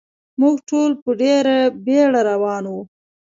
موږ ټول په ډېره بېړه روان و.